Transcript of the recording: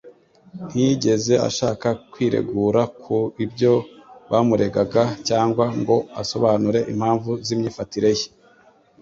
Ntiyigeze ashaka kwiregura ku byo bamuregaga cyangwa ngo asobanure impamvu z'imyifatire ye,